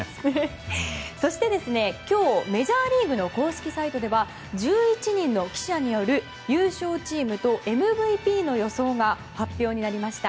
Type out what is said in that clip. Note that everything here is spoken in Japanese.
そして、今日メジャーリーグの公式サイトでは１１人の記者による優勝チームとＭＶＰの予想が発表になりました。